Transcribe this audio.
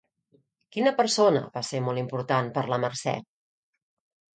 Quina persona va ser molt important per la Mercè?